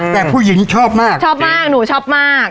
แต่ผู้หญิงชอบมากชอบมากหนูชอบมาก